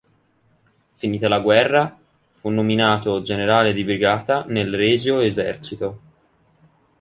Finita la guerra, fu nominato generale di brigata nel Regio Esercito.